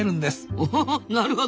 おおなるほど。